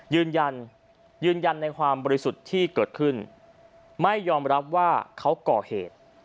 ยืนยันยืนยันยืนยันในความบริสุทธิ์ที่เกิดขึ้นไม่ยอมรับว่าเขาก่อเหตุ